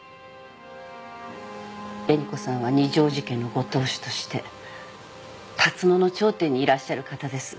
紅子さんは二条路家のご当主として龍野の頂点にいらっしゃる方です。